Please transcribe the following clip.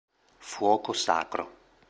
Fuoco sacro